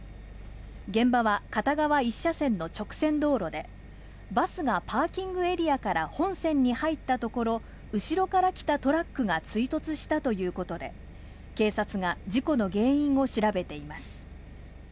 現場は片側１車線の直線道路で、バスがパーキングエリアから本線に入ったところ、後ろから来たトラックが追突したということで、警察が事故の原因を調べています。